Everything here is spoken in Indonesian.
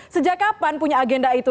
sejak kapan punya agenda itu